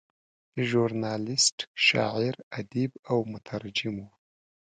ژورنالیسټ، شاعر، ادیب او مترجم و.